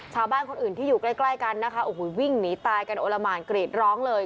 ชาวบ้านคนอื่นที่อยู่ใกล้ใกล้กันนะคะโอ้โหวิ่งหนีตายกันโอละหมานกรีดร้องเลย